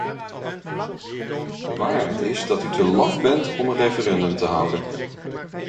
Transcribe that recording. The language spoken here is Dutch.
De waarheid is dat u te laf bent om een referendum te houden.